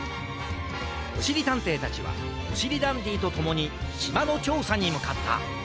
おしりたんていたちはおしりダンディとともにしまのちょうさにむかった。